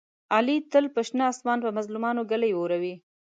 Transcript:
علي تل په شنه اسمان په مظلومانو ږلۍ اوروي.